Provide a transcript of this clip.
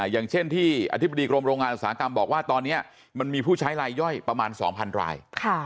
อย่างเช่นที่อธิบดีกรมโรงงานอุตสาหกรรมบอกว่าตอนนี้มันมีผู้ใช้ลายย่อยประมาณ๒๐๐ราย